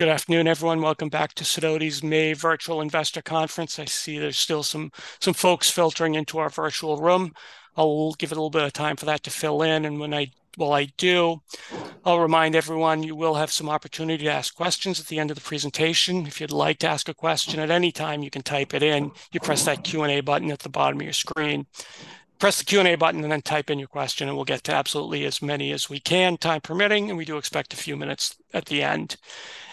Good afternoon, everyone. Welcome back to Sidoti's May Virtual Investor Conference. I see there's still some folks filtering into our virtual room. I'll give it a little bit of time for that to fill in, and when I do, I'll remind everyone you will have some opportunity to ask questions at the end of the presentation. If you'd like to ask a question at any time, you can type it in. You press that Q&A button at the bottom of your screen. Press the Q&A button and then type in your question, and we'll get to absolutely as many as we can, time permitting. And we do expect a few minutes at the end.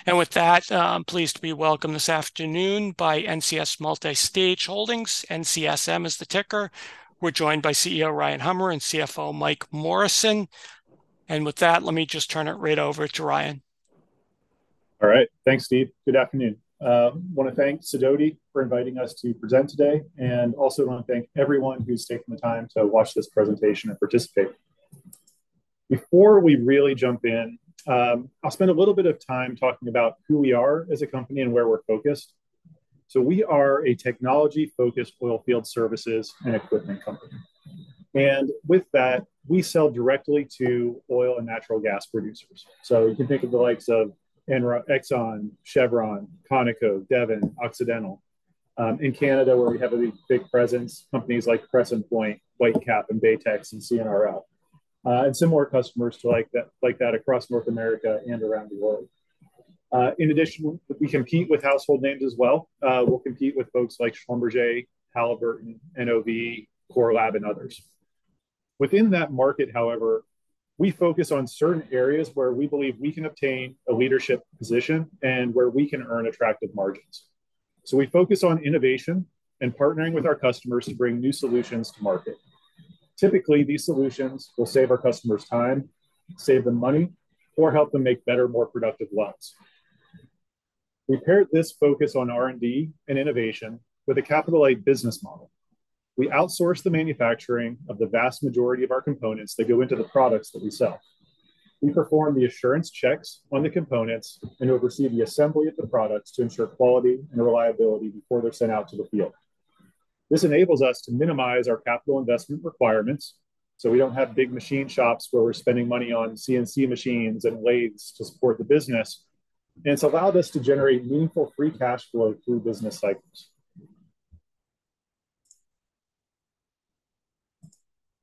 And with that, pleased to welcome this afternoon NCS Multistage Holdings. NCSM is the ticker. We're joined by CEO Ryan Hummer and CFO Mike Morrison. With that, let me just turn it right over to Ryan. All right. Thanks, Steve. Good afternoon. I want to thank Sidoti for inviting us to present today, and also I want to thank everyone who's taken the time to watch this presentation and participate. Before we really jump in, I'll spend a little bit of time talking about who we are as a company and where we're focused. So we are a technology-focused oilfield services and equipment company. With that, we sell directly to oil and natural gas producers. So you can think of the likes of Exxon, Chevron, Conoco, Devon, Occidental. In Canada, where we have a big presence, companies like Crescent Point, Whitecap, and Baytex and CNRL, and similar customers like that across North America and around the world. In addition, we compete with household names as well. We'll compete with folks like Schlumberger, Halliburton, NOV, CoreLab, and others. Within that market, however, we focus on certain areas where we believe we can obtain a leadership position and where we can earn attractive margins. So we focus on innovation and partnering with our customers to bring new solutions to market. Typically, these solutions will save our customers time, save them money, or help them make better, more productive wells. We paired this focus on R&D and innovation with an asset-light business model. We outsource the manufacturing of the vast majority of our components that go into the products that we sell. We perform the quality assurance checks on the components and oversee the assembly of the products to ensure quality and reliability before they're sent out to the field. This enables us to minimize our capital investment requirements. So we don't have big machine shops where we're spending money on CNC machines and lathes to support the business. It's allowed us to generate meaningful free cash flow through business cycles.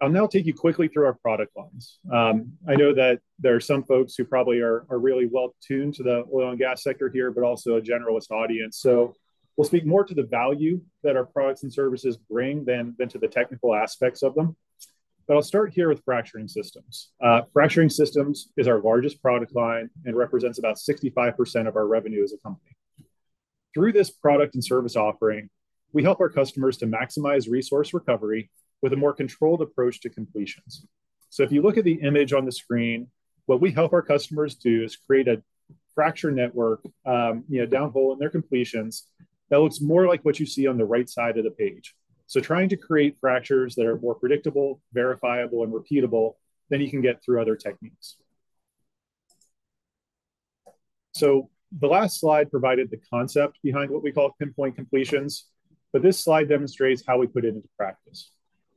I'll now take you quickly through our product lines. I know that there are some folks who probably are really well-tuned to the oil and gas sector here, but also a generalist audience. We'll speak more to the value that our products and services bring than to the technical aspects of them. I'll start here with Fracturing Systems. Fracturing Systems is our largest product line and represents about 65% of our revenue as a company. Through this product and service offering, we help our customers to maximize resource recovery with a more controlled approach to completions. If you look at the image on the screen, what we help our customers do is create a fracture network downhole in their completions that looks more like what you see on the right side of the page. So trying to create fractures that are more predictable, verifiable, and repeatable than you can get through other techniques. So the last slide provided the concept behind what we call pinpoint completions. But this slide demonstrates how we put it into practice.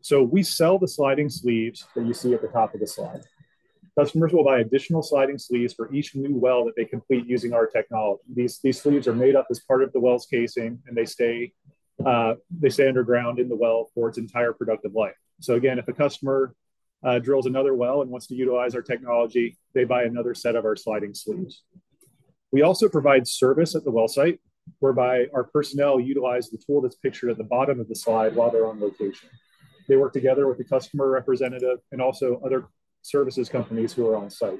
So we sell the sliding sleeves that you see at the top of the slide. Customers will buy additional sliding sleeves for each new well that they complete using our technology. These sleeves are made up as part of the well's casing, and they stay underground in the well for its entire productive life. So again, if a customer drills another well and wants to utilize our technology, they buy another set of our sliding sleeves. We also provide service at the well site, whereby our personnel utilize the tool that's pictured at the bottom of the slide while they're on location. They work together with the customer representative and also other service companies who are on site.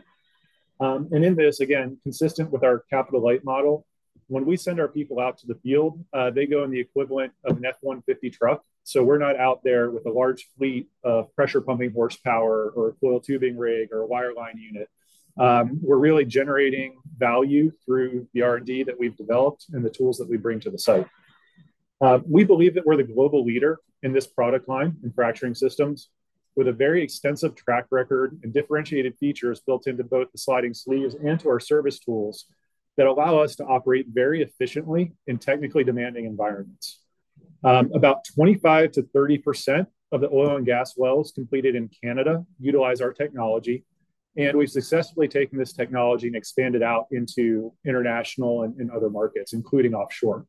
In this, again, consistent with our capital-light model, when we send our people out to the field, they go in the equivalent of an F-150 truck. So we're not out there with a large fleet of pressure pumping horsepower or a coiled tubing rig or a wireline unit. We're really generating value through the R&D that we've developed and the tools that we bring to the site. We believe that we're the global leader in this product line in fracturing systems with a very extensive track record and differentiated features built into both the sliding sleeves and to our service tools that allow us to operate very efficiently in technically demanding environments. About 25%-30% of the oil and gas wells completed in Canada utilize our technology. We've successfully taken this technology and expanded out into international and other markets, including offshore.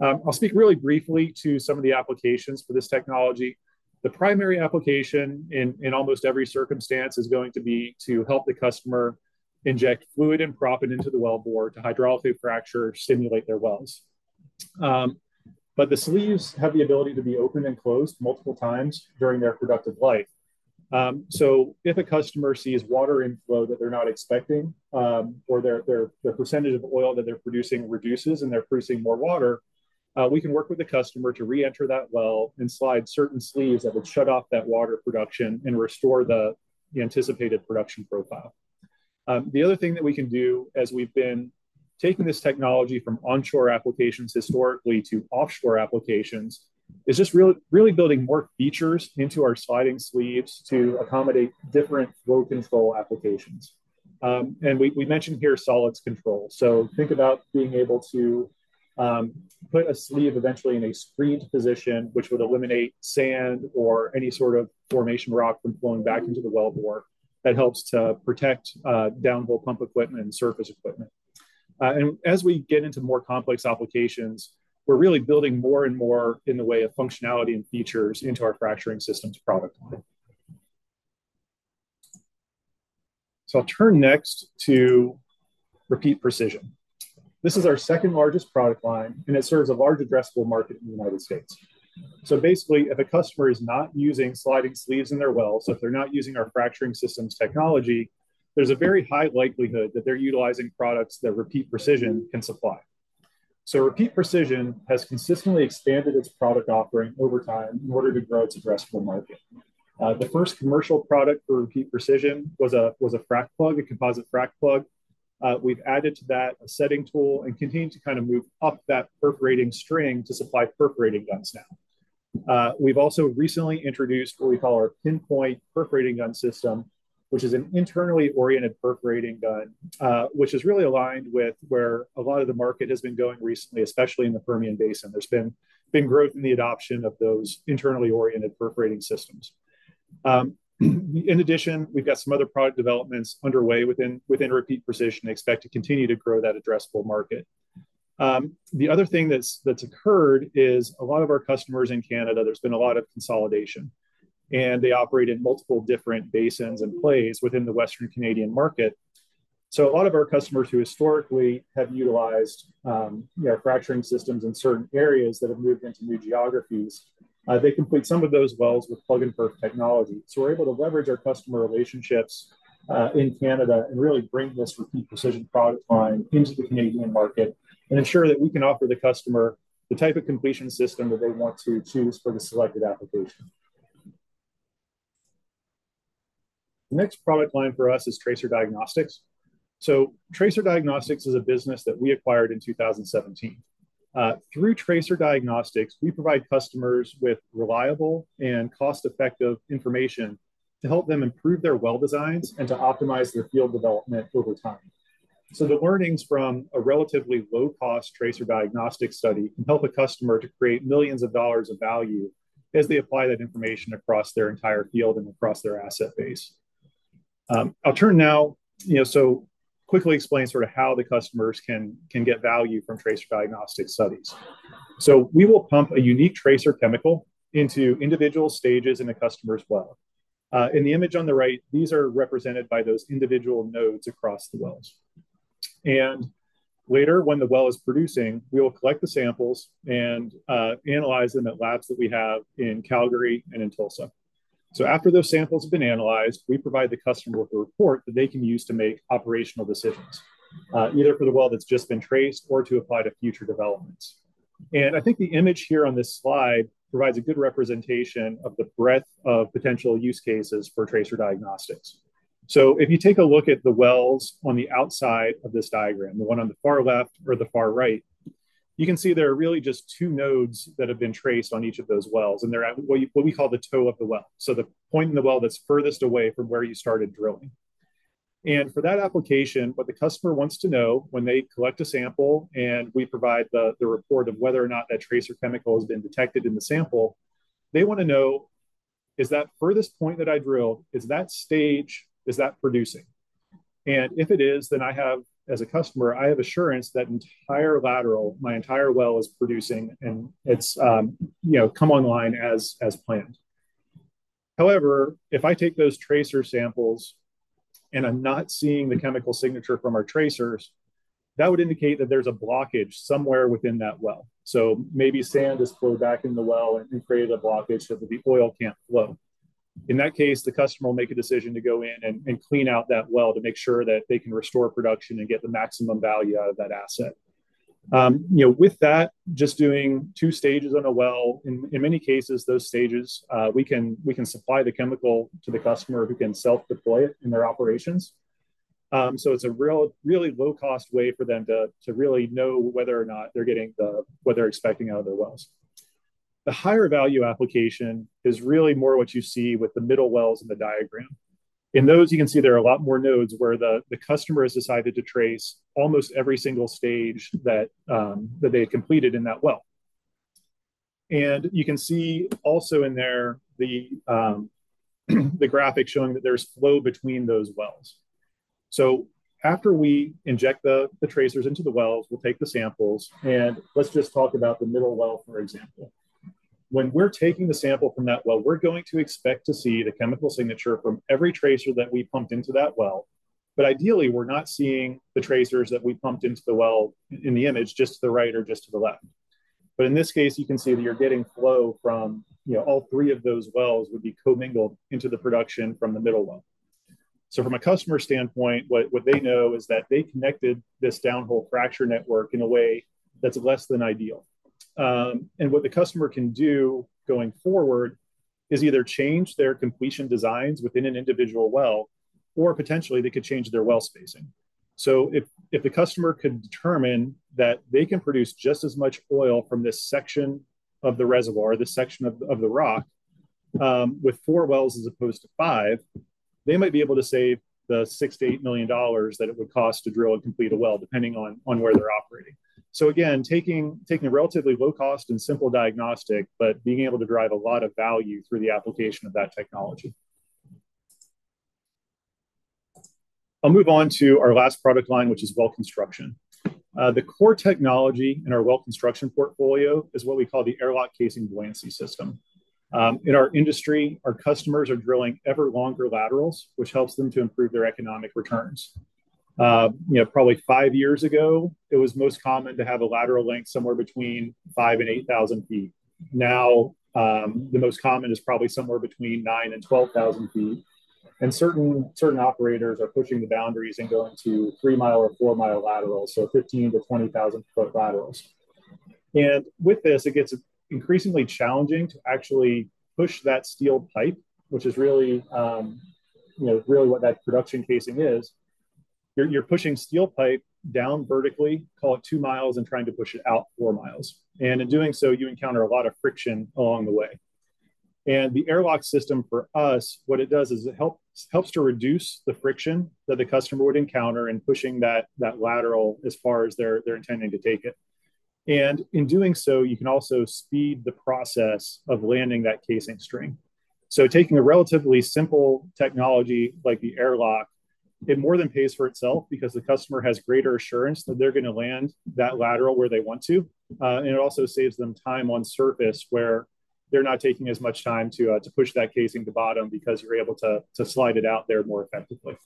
I'll speak really briefly to some of the applications for this technology. The primary application in almost every circumstance is going to be to help the customer inject fluid and proppant into the wellbore to hydraulically fracture or stimulate their wells. But the sleeves have the ability to be opened and closed multiple times during their productive life. So if a customer sees water inflow that they're not expecting or the percentage of oil that they're producing reduces and they're producing more water, we can work with the customer to reenter that well and slide certain sleeves that would shut off that water production and restore the anticipated production profile. The other thing that we can do as we've been taking this technology from onshore applications historically to offshore applications is just really building more features into our sliding sleeves to accommodate different flow control applications. And we mentioned here solids control. So think about being able to put a sleeve eventually in a screened position, which would eliminate sand or any sort of formation rock from flowing back into the wellbore that helps to protect downhole pump equipment and surface equipment. And as we get into more complex applications, we're really building more and more in the way of functionality and features into our Fracturing Systems product line. So I'll turn next to Repeat Precision. This is our second largest product line, and it serves a large addressable market in the United States. So basically, if a customer is not using sliding sleeves in their wells, if they're not using our Fracturing Systems technology, there's a very high likelihood that they're utilizing products that Repeat Precision can supply. So Repeat Precision has consistently expanded its product offering over time in order to grow its addressable market. The first commercial product for Repeat Precision was a frac plug, a composite frac plug. We've added to that a setting tool and continue to kind of move up that perforating string to supply perforating guns now. We've also recently introduced what we call our Pinpoint Perforating Gun System, which is an internally oriented perforating gun, which is really aligned with where a lot of the market has been going recently, especially in the Permian Basin. There's been growth in the adoption of those internally oriented perforating systems. In addition, we've got some other product developments underway within Repeat Precision and expect to continue to grow that addressable market. The other thing that's occurred is a lot of our customers in Canada. There's been a lot of consolidation. They operate in multiple different basins and plays within the Western Canadian market. A lot of our customers who historically have utilized Fracturing Systems in certain areas that have moved into new geographies, they complete some of those wells with plug-and-perf technology. We're able to leverage our customer relationships in Canada and really bring this Repeat Precision product line into the Canadian market and ensure that we can offer the customer the type of completion system that they want to choose for the selected application. The next product line for us is Tracer Diagnostics. Tracer Diagnostics is a business that we acquired in 2017. Through Tracer Diagnostics, we provide customers with reliable and cost-effective information to help them improve their well designs and to optimize their field development over time. The learnings from a relatively low-cost Tracer Diagnostics study can help a customer to create millions of dollars of value as they apply that information across their entire field and across their asset base. I'll turn now to quickly explain sort of how the customers can get value from Tracer Diagnostics studies. We will pump a unique tracer chemical into individual stages in a customer's well. In the image on the right, these are represented by those individual nodes across the wells. Later, when the well is producing, we will collect the samples and analyze them at labs that we have in Calgary and in Tulsa. So after those samples have been analyzed, we provide the customer with a report that they can use to make operational decisions, either for the well that's just been traced or to apply to future developments. And I think the image here on this slide provides a good representation of the breadth of potential use cases for Tracer Diagnostics. So if you take a look at the wells on the outside of this diagram, the one on the far left or the far right, you can see there are really just two nodes that have been traced on each of those wells. And they're at what we call the toe of the well, so the point in the well that's furthest away from where you started drilling. For that application, what the customer wants to know when they collect a sample and we provide the report of whether or not that tracer chemical has been detected in the sample, they want to know, is that furthest point that I drilled, is that stage, is that producing? And if it is, then I have, as a customer, I have assurance that entire lateral, my entire well is producing and it's come online as planned. However, if I take those tracer samples and I'm not seeing the chemical signature from our tracers, that would indicate that there's a blockage somewhere within that well. So maybe sand has flowed back in the well and created a blockage so that the oil can't flow. In that case, the customer will make a decision to go in and clean out that well to make sure that they can restore production and get the maximum value out of that asset. With that, just doing two stages on a well, in many cases, those stages, we can supply the chemical to the customer who can self-deploy it in their operations. So it's a really low-cost way for them to really know whether or not they're getting what they're expecting out of their wells. The higher value application is really more what you see with the middle wells in the diagram. In those, you can see there are a lot more nodes where the customer has decided to trace almost every single stage that they had completed in that well. And you can see also in there the graphic showing that there's flow between those wells. So after we inject the tracers into the wells, we'll take the samples. And let's just talk about the middle well, for example. When we're taking the sample from that well, we're going to expect to see the chemical signature from every tracer that we pumped into that well. But ideally, we're not seeing the tracers that we pumped into the well in the image, just to the right or just to the left. But in this case, you can see that you're getting flow from all three of those wells would be commingled into the production from the middle well. So from a customer standpoint, what they know is that they connected this downhole fracture network in a way that's less than ideal. And what the customer can do going forward is either change their completion designs within an individual well, or potentially they could change their well spacing. So if the customer could determine that they can produce just as much oil from this section of the reservoir, this section of the rock, with four wells as opposed to five, they might be able to save the $6 to 8 million that it would cost to drill and complete a well, depending on where they're operating. So again, taking a relatively low-cost and simple diagnostic, but being able to drive a lot of value through the application of that technology. I'll move on to our last product line, which is well construction. The core technology in our well construction portfolio is what we call the AirLock Casing Buoyancy System. In our industry, our customers are drilling ever longer laterals, which helps them to improve their economic returns. Probably five years ago, it was most common to have a lateral length somewhere between 5,000 and 8,000 ft. Now, the most common is probably somewhere between 9,000 and 12,000 feet. Certain operators are pushing the boundaries and going to three-mile or four-mile laterals, so 15,000-20,000-foot laterals. With this, it gets increasingly challenging to actually push that steel pipe, which is really what that production casing is. You're pushing steel pipe down vertically, call it two miles, and trying to push it out four miles. In doing so, you encounter a lot of friction along the way. The AirLock system for us, what it does is it helps to reduce the friction that the customer would encounter in pushing that lateral as far as they're intending to take it. In doing so, you can also speed the process of landing that casing string. So taking a relatively simple technology like the AirLock, it more than pays for itself because the customer has greater assurance that they're going to land that lateral where they want to. And it also saves them time on surface where they're not taking as much time to push that casing to bottom because you're able to slide it out there more effectively.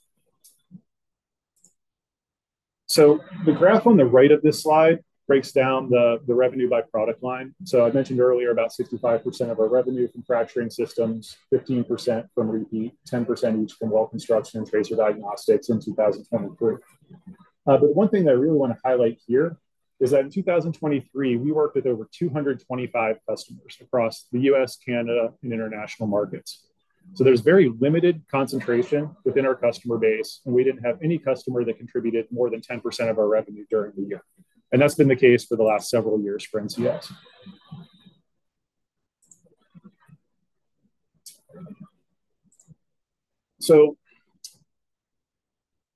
So the graph on the right of this slide breaks down the revenue by product line. So I mentioned earlier about 65% of our revenue from Fracturing Systems, 15% from Repeat, 10% each from Well Construction and Tracer Diagnostics in 2023. But one thing that I really want to highlight here is that in 2023, we worked with over 225 customers across the U.S., Canada, and international markets. So there's very limited concentration within our customer base. We didn't have any customer that contributed more than 10% of our revenue during the year. That's been the case for the last several years for NCS.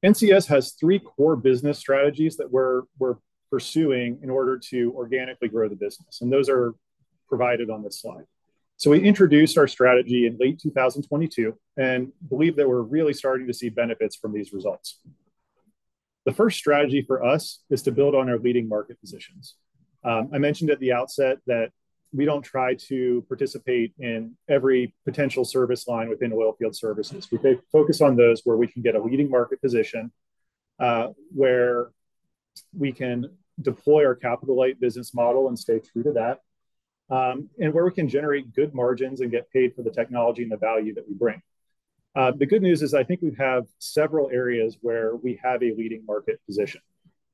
NCS has three core business strategies that we're pursuing in order to organically grow the business. Those are provided on this slide. We introduced our strategy in late 2022 and believe that we're really starting to see benefits from these results. The first strategy for us is to build on our leading market positions. I mentioned at the outset that we don't try to participate in every potential service line within oilfield services. We focus on those where we can get a leading market position, where we can deploy our capital light business model and stay true to that, and where we can generate good margins and get paid for the technology and the value that we bring. The good news is I think we have several areas where we have a leading market position.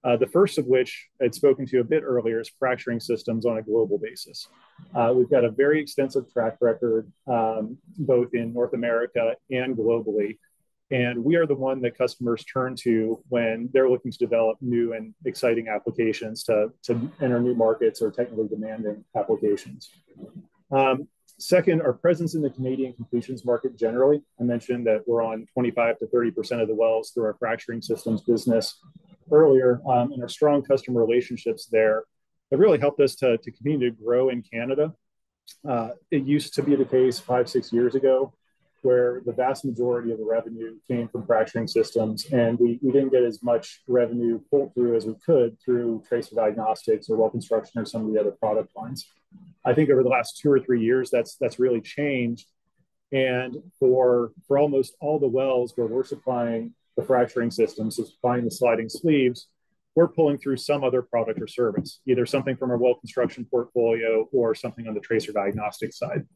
The first of which, I'd spoken to a bit earlier, is fracturing systems on a global basis. We've got a very extensive track record both in North America and globally. And we are the one that customers turn to when they're looking to develop new and exciting applications to enter new markets or technically demanding applications. Second, our presence in the Canadian completions market generally. I mentioned that we're on 25% to 30% of the wells through our fracturing systems business earlier. And our strong customer relationships there have really helped us to continue to grow in Canada. It used to be the case five, six years ago where the vast majority of the revenue came from fracturing systems. We didn't get as much revenue pulled through as we could through Tracer Diagnostics or well construction or some of the other product lines. I think over the last two or three years, that's really changed. For almost all the wells where we're supplying the fracturing systems, supplying the sliding sleeves, we're pulling through some other product or service, either something from our well construction portfolio or something on the Tracer Diagnostics side.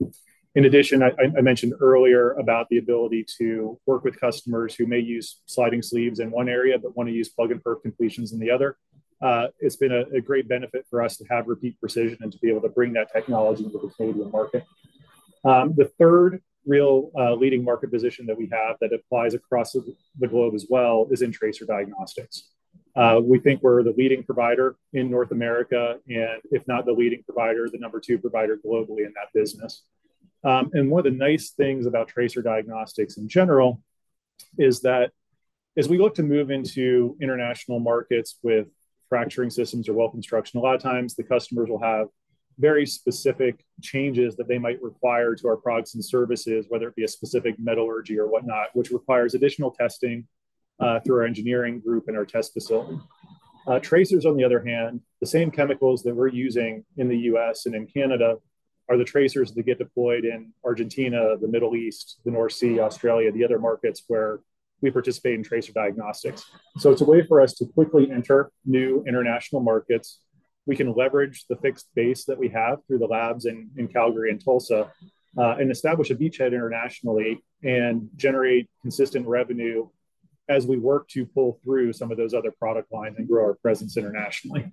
In addition, I mentioned earlier about the ability to work with customers who may use sliding sleeves in one area but want to use plug-and-perf completions in the other. It's been a great benefit for us to have Repeat Precision and to be able to bring that technology into the Canadian market. The third real leading market position that we have that applies across the globe as well is in Tracer Diagnostics. We think we're the leading provider in North America and, if not the leading provider, the number two provider globally in that business. One of the nice things about Tracer Diagnostics in general is that as we look to move into international markets with fracturing systems or well construction, a lot of times the customers will have very specific changes that they might require to our products and services, whether it be a specific metallurgy or whatnot, which requires additional testing through our engineering group and our test facility. Tracers, on the other hand, the same chemicals that we're using in the U.S. and in Canada are the tracers that get deployed in Argentina, the Middle East, the North Sea, Australia, the other markets where we participate in Tracer Diagnostics. It's a way for us to quickly enter new international markets. We can leverage the fixed base that we have through the labs in Calgary and Tulsa and establish a beachhead internationally and generate consistent revenue as we work to pull through some of those other product lines and grow our presence internationally.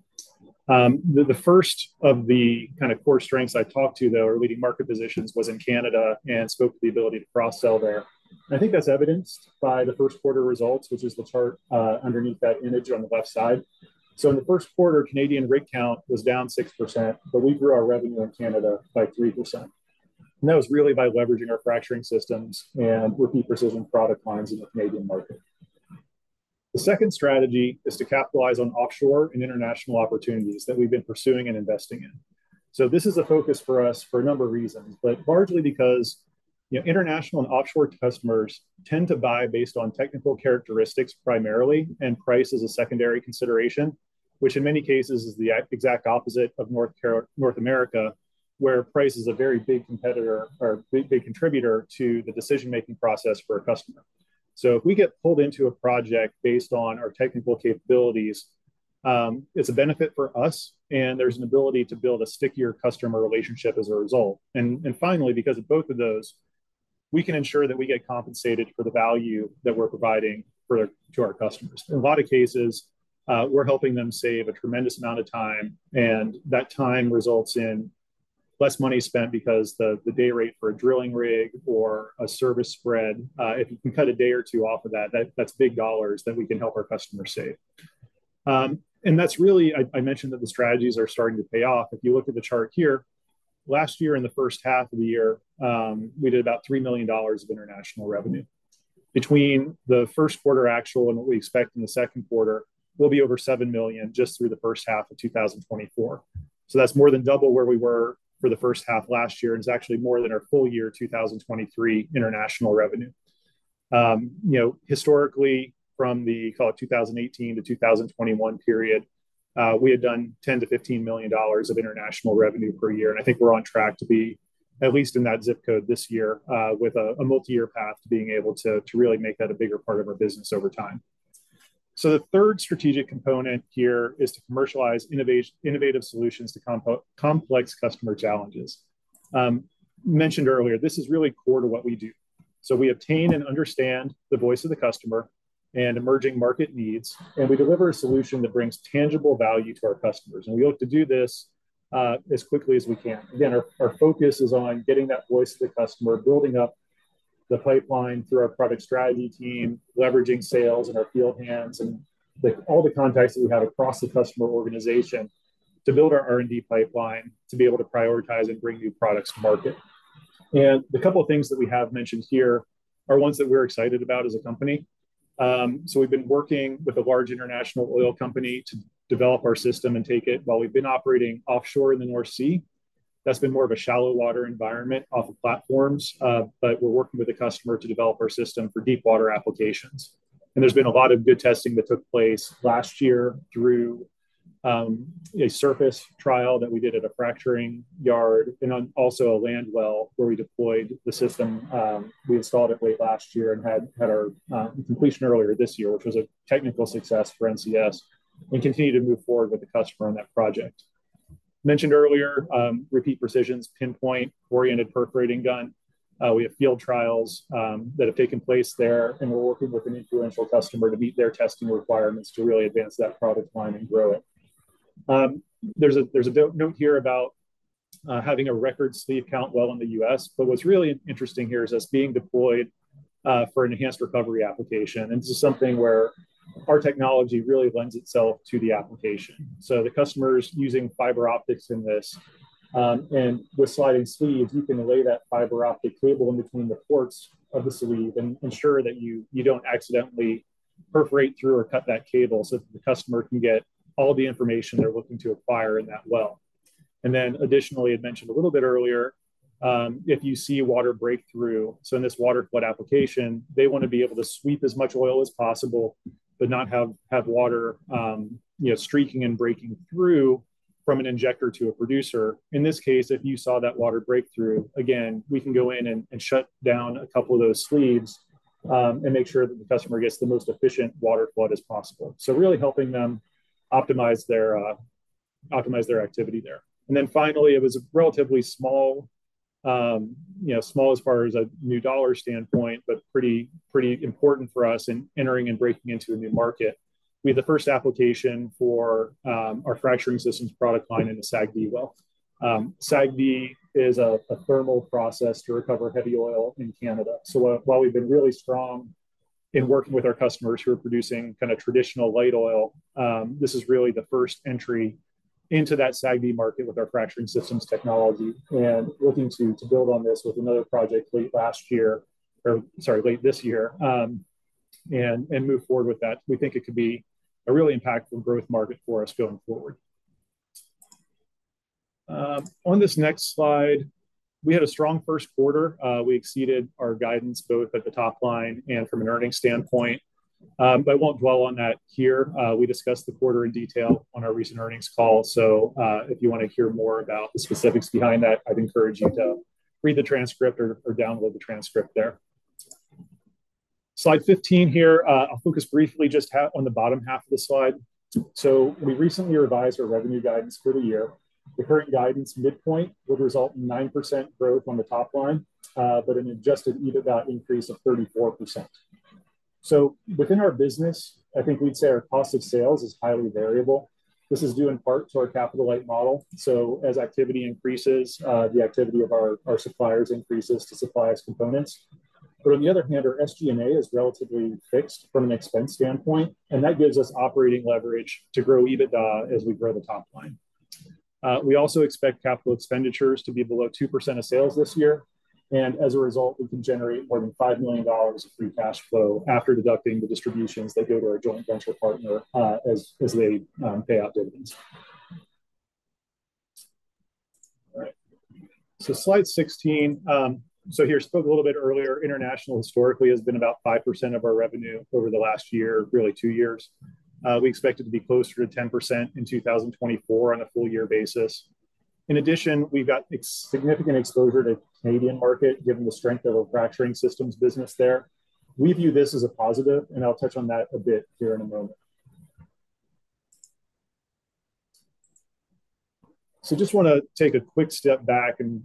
The first of the kind of core strengths I talked to, though, or leading market positions was in Canada and spoke to the ability to cross-sell there. I think that's evidenced by the Q1 results, which is the chart underneath that image on the left side. In the Q1, Canadian rig count was down 6%, but we grew our revenue in Canada by 3%. That was really by leveraging our fracturing systems and Repeat Precision product lines in the Canadian market. The second strategy is to capitalize on offshore and international opportunities that we've been pursuing and investing in. So this is a focus for us for a number of reasons, but largely because international and offshore customers tend to buy based on technical characteristics primarily and price as a secondary consideration, which in many cases is the exact opposite of North America, where price is a very big competitor or big contributor to the decision-making process for a customer. So if we get pulled into a project based on our technical capabilities, it's a benefit for us. And there's an ability to build a stickier customer relationship as a result. And finally, because of both of those, we can ensure that we get compensated for the value that we're providing to our customers. In a lot of cases, we're helping them save a tremendous amount of time. That time results in less money spent because the day rate for a drilling rig or a service spread, if you can cut a day or two off of that, that's big dollars that we can help our customers save. I mentioned that the strategies are starting to pay off. If you look at the chart here, last year in the H1 of the year, we did about $3 million of international revenue. Between the Q1 actual and what we expect in the Q2, we'll be over $7 million just through the H1 of 2024. So that's more than double where we were for the H1 last year. It's actually more than our full year 2023 international revenue. Historically, from the, call it, 2018 to 2021 period, we had done $10 million to 15 million of international revenue per year. I think we're on track to be, at least in that zip code this year, with a multi-year path to being able to really make that a bigger part of our business over time. The third strategic component here is to commercialize innovative solutions to complex customer challenges. Mentioned earlier, this is really core to what we do. We obtain and understand the voice of the customer and emerging market needs. And we deliver a solution that brings tangible value to our customers. And we look to do this as quickly as we can. Again, our focus is on getting that voice of the customer, building up the pipeline through our product strategy team, leveraging sales and our field hands and all the contacts that we have across the customer organization to build our R&D pipeline to be able to prioritize and bring new products to market. The couple of things that we have mentioned here are ones that we're excited about as a company. We've been working with a large international oil company to develop our system and take it while we've been operating offshore in the North Sea. That's been more of a shallow water environment off of platforms. But we're working with the customer to develop our system for deepwater applications. And there's been a lot of good testing that took place last year through a surface trial that we did at a fracturing yard and also a land well where we deployed the system. We installed it late last year and had our completion earlier this year, which was a technical success for NCS, and continue to move forward with the customer on that project. Mentioned earlier, Repeat Precision's pinpoint-oriented perforating gun. We have field trials that have taken place there. We're working with an influential customer to meet their testing requirements to really advance that product line and grow it. There's a note here about having a record sleeve count well in the U.S. What's really interesting here is us being deployed for an enhanced recovery application. This is something where our technology really lends itself to the application. The customer's using fiber optics in this. With sliding sleeves, you can lay that fiber optic cable in between the ports of the sleeve and ensure that you don't accidentally perforate through or cut that cable so that the customer can get all the information they're looking to acquire in that well. And then additionally, I'd mentioned a little bit earlier, if you see water breakthrough, so in this water flood application, they want to be able to sweep as much oil as possible but not have water streaking and breaking through from an injector to a producer. In this case, if you saw that water breakthrough, again, we can go in and shut down a couple of those sleeves and make sure that the customer gets the most efficient water flood as possible. So really helping them optimize their activity there. And then finally, it was a relatively small, small as far as a new dollar standpoint, but pretty important for us in entering and breaking into a new market. We had the first application for our Fracturing Systems product line in the SAGD well. SAGD is a thermal process to recover heavy oil in Canada. So while we've been really strong in working with our customers who are producing kind of traditional light oil, this is really the first entry into that SAGD market with our fracturing systems technology. Looking to build on this with another project late last year or, sorry, late this year and move forward with that. We think it could be a really impactful growth market for us going forward. On this next slide, we had a strong Q1. We exceeded our guidance both at the top line and from an earnings standpoint. But I won't dwell on that here. We discussed the quarter in detail on our recent earnings call. So if you want to hear more about the specifics behind that, I'd encourage you to read the transcript or download the transcript there. Slide 15 here. I'll focus briefly just on the bottom half of the slide. So we recently revised our revenue guidance for the year. The current guidance midpoint would result in 9% growth on the top line, but an adjusted EBITDA increase of 34%. So within our business, I think we'd say our cost of sales is highly variable. This is due in part to our capital light model. So as activity increases, the activity of our suppliers increases to supply us components. But on the other hand, our SG&A is relatively fixed from an expense standpoint. And that gives us operating leverage to grow EBITDA as we grow the top line. We also expect capital expenditures to be below 2% of sales this year. And as a result, we can generate more than $5 million of free cash flow after deducting the distributions that go to our joint venture partner as they pay out dividends. All right. So slide 16. So here, I spoke a little bit earlier. International historically has been about 5% of our revenue over the last year, really two years. We expect it to be closer to 10% in 2024 on a full-year basis. In addition, we've got significant exposure to the Canadian market given the strength of our fracturing systems business there. We view this as a positive. And I'll touch on that a bit here in a moment. So just want to take a quick step back and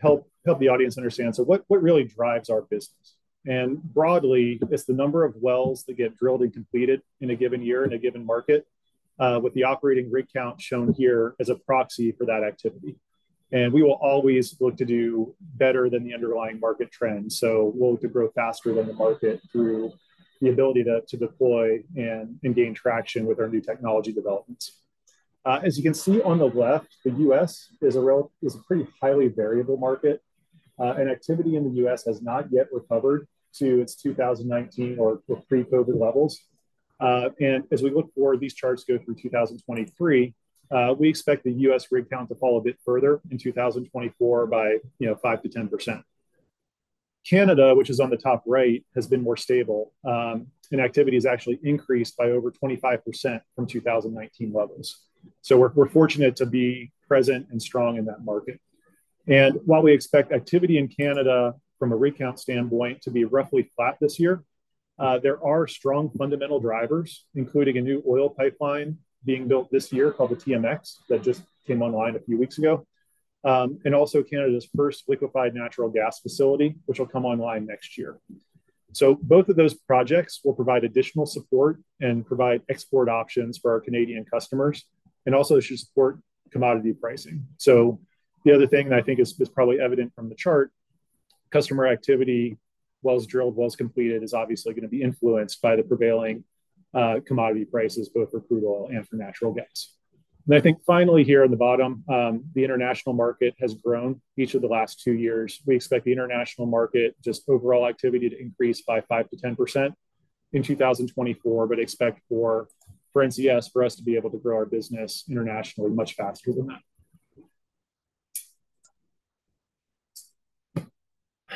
help the audience understand. So what really drives our business? And broadly, it's the number of wells that get drilled and completed in a given year in a given market, with the operating rig count shown here as a proxy for that activity. And we will always look to do better than the underlying market trend. So we'll look to grow faster than the market through the ability to deploy and gain traction with our new technology developments. As you can see on the left, the U.S. is a pretty highly variable market. Activity in the U.S. has not yet recovered to its 2019 or pre-COVID levels. As we look forward, these charts go through 2023. We expect the U.S. rig count to fall a bit further in 2024 by 5% to 10%. Canada, which is on the top right, has been more stable. Activity has actually increased by over 25% from 2019 levels. We're fortunate to be present and strong in that market. And while we expect activity in Canada from a rig count standpoint to be roughly flat this year, there are strong fundamental drivers, including a new oil pipeline being built this year called the TMX that just came online a few weeks ago. Also, Canada's first liquefied natural gas facility, which will come online next year. So both of those projects will provide additional support and provide export options for our Canadian customers. Also, it should support commodity pricing. So the other thing that I think is probably evident from the chart, customer activity, wells drilled, wells completed, is obviously going to be influenced by the prevailing commodity prices, both for crude oil and for natural gas. And I think finally here on the bottom, the international market has grown each of the last two years. We expect the international market, just overall activity, to in 2024, but expect for NCS for us to be able to grow our business internationally much faster than that.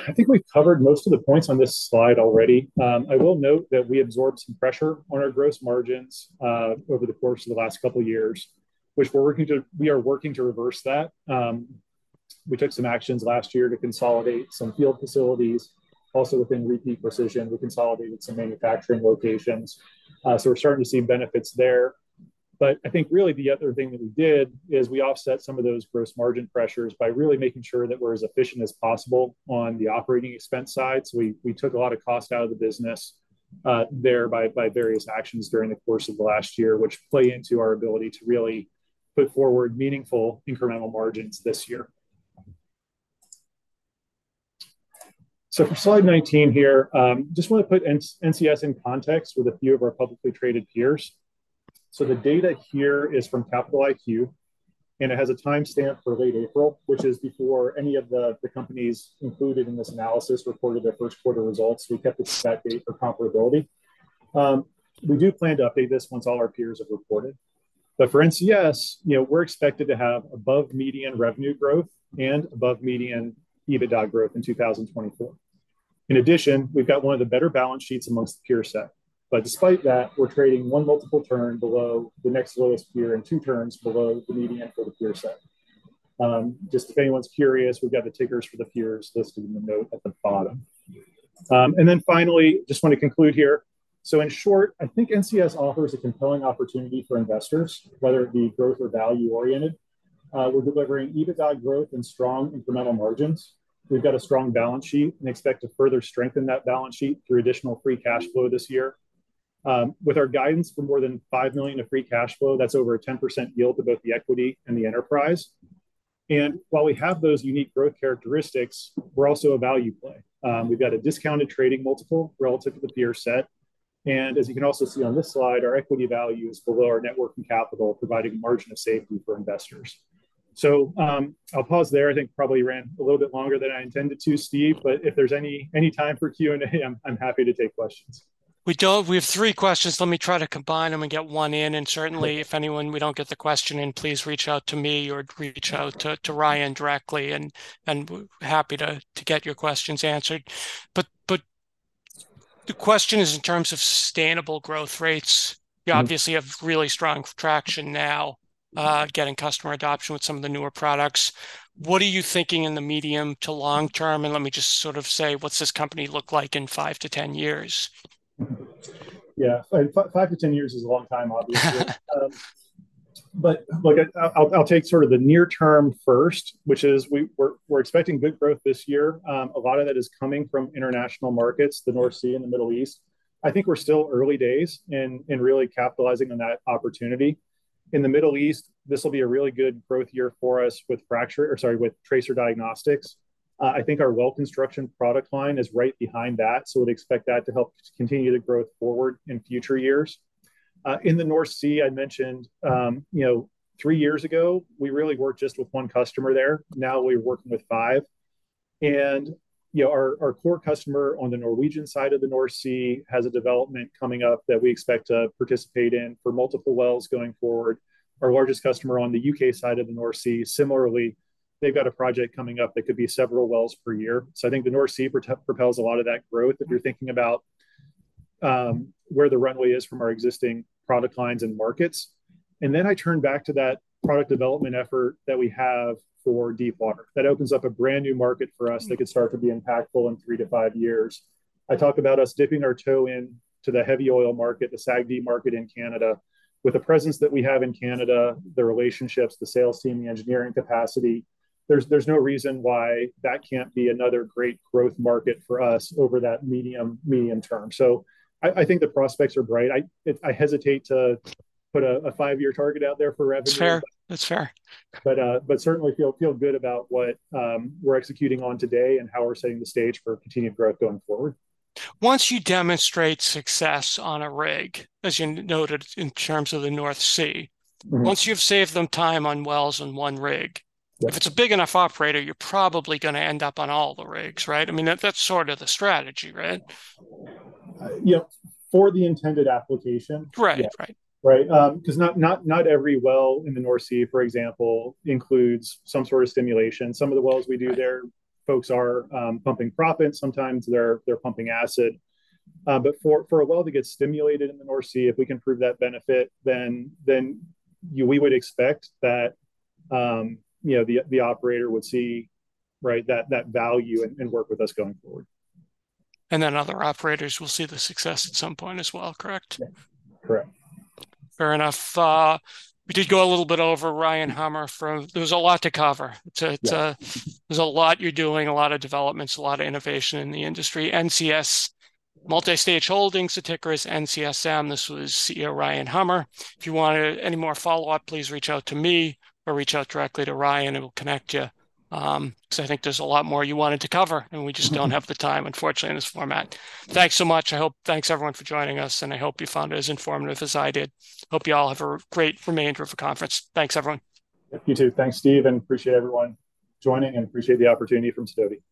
I think we've covered most of the points on this slide already. I will note that we absorbed some pressure on our gross margins over the course of the last couple of years, which we're working to reverse that. We took some actions last year to consolidate some field facilities. Also within Repeat Precision, we consolidated some manufacturing locations. So we're starting to see benefits there. But I think really the other thing that we did is we offset some of those gross margin pressures by really making sure that we're as efficient as possible on the operating expense side. So we took a lot of cost out of the business there by various actions during the course of the last year, which play into our ability to really put forward meaningful incremental margins this year. So for slide 19 here, I just want to put NCS in context with a few of our publicly traded peers. So the data here is from Capital IQ. It has a timestamp for late April, which is before any of the companies included in this analysis reported their Q1 results. We kept it to that date for comparability. We do plan to update this once all our peers have reported. For NCS, we're expected to have above median revenue growth and above median EBITDA growth in 2024. In addition, we've got one of the better balance sheets amongst the peer set. But despite that, we're trading one multiple turn below the next lowest peer and two turns below the median for the peer set. Just if anyone's curious, we've got the tickers for the peers listed in the note at the bottom. And then finally, just want to conclude here. So in short, I think NCS offers a compelling opportunity for investors, whether it be growth or value-oriented. We're delivering EBITDA growth and strong incremental margins. We've got a strong balance sheet and expect to further strengthen that balance sheet through additional free cash flow this year. With our guidance for more than $5 million of free cash flow, that's over a 10% yield to both the equity and the enterprise. And while we have those unique growth characteristics, we're also a value play. We've got a discounted trading multiple relative to the peer set. As you can also see on this slide, our equity value is below our net working capital, providing a margin of safety for investors. So I'll pause there. I think probably ran a little bit longer than I intended to, Steve. But if there's any time for Q&A, I'm happy to take questions. We do. We have three questions. Let me try to combine them and get one in. And certainly, if anyone, we don't get the question in, please reach out to me or reach out to Ryan directly. And happy to get your questions answered. But the question is in terms of sustainable growth rates. You obviously have really strong traction now getting customer adoption with some of the newer products. What are you thinking in the medium to long term? And let me just sort of say, what's this company look like in five to 10 years? Yeah. Five to 10 years is a long time, obviously. But look, I'll take sort of the near term first, which is we're expecting good growth this year. A lot of that is coming from international markets, the North Sea and the Middle East. I think we're still early days in really capitalizing on that opportunity. In the Middle East, this will be a really good growth year for us with Tracer Diagnostics. I think our well construction product line is right behind that. So we'd expect that to help continue the growth forward in future years. In the North Sea, I mentioned three years ago, we really worked just with one customer there. Now we're working with five. And our core customer on the Norwegian side of the North Sea has a development coming up that we expect to participate in for multiple wells going forward. Our largest customer on the U.K. side of the North Sea, similarly, they've got a project coming up that could be several wells per year. So I think the North Sea propels a lot of that growth if you're thinking about where the runway is from our existing product lines and markets. And then I turn back to that product development effort that we have for deepwater. That opens up a brand new market for us that could start to be impactful in three to five years. I talk about us dipping our toe into the heavy oil market, the SAGD market in Canada, with the presence that we have in Canada, the relationships, the sales team, the engineering capacity. There's no reason why that can't be another great growth market for us over that medium term. So I think the prospects are bright. I hesitate to put a five-year target out there for revenue. Sure. That's fair. But certainly feel good about what we're executing on today and how we're setting the stage for continued growth going forward. Once you demonstrate success on a rig, as you noted in terms of the North Sea, once you've saved them time on wells on one rig, if it's a big enough operator, you're probably going to end up on all the rigs, right? I mean, that's sort of the strategy, right? For the intended application. Correct. Right. Right. Because not every well in the North Sea, for example, includes some sort of stimulation. Some of the wells we do there, folks are pumping proppant. Sometimes they're pumping acid. But for a well to get stimulated in the North Sea, if we can prove that benefit, then we would expect that the operator would see that value and work with us going forward. Other operators will see the success at some point as well, correct? Correct. Fair enough. We did go a little bit over Ryan Hummer. There was a lot to cover. There's a lot you're doing, a lot of developments, a lot of innovation in the industry. NCS Multistage Holdings, the ticker is NCSM. This was CEO Ryan Hummer. If you want any more follow-up, please reach out to me or reach out directly to Ryan. It will connect you. Because I think there's a lot more you wanted to cover. And we just don't have the time, unfortunately, in this format. Thanks so much. I hope, thanks, everyone, for joining us. And I hope you found it as informative as I did. Hope you all have a great remainder of the conference. Thanks, everyone. You too. Thanks, Steve. Appreciate everyone joining. Appreciate the opportunity from Sidoti.